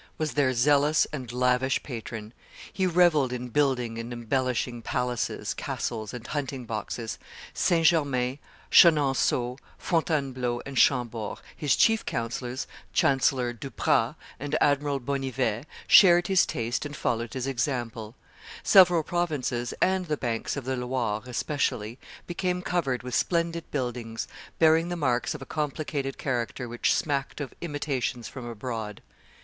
was their zealous and lavish patron; he revelled in building and embellishing palaces, castles, and hunting boxes, St. Germain, Chenonceaux, Fontainebleau, and Chambord; his chief councillors, Chancellor Duprat and Admiral Bonnivet, shared his taste and followed his example; several provinces, and the banks of the Loire especially, became covered with splendid buildings, bearing the marks of a complicated character which smacked of imitations from abroad.